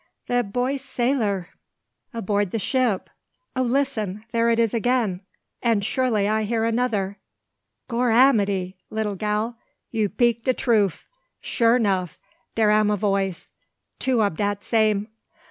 "The boy sailor aboard the ship. O, listen! There it is again; and surely I hear another?" "Gorramity! little gal, you 'peak de troof. Sure 'nuff dere am a voice, two ob dat same.